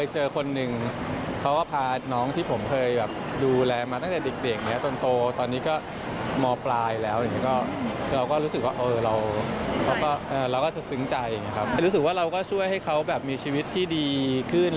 หรือว่าเราก็ช่วยให้เขามีชีวิตที่ดีขึ้น